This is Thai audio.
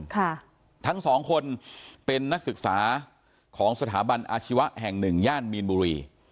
ค่ะทั้งสองคนเป็นนักศึกษาของสถาบันอาชีวะแห่งหนึ่งย่านมีนบุรี